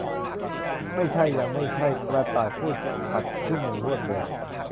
ไม่ใช่ ยังไม่ใช่ ! กระต่ายพูดขัดขึ้นอย่างรวดเร็ว